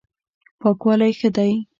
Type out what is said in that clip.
پاکوالی ښه دی.